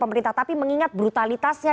pemerintah tapi mengingat brutalitasnya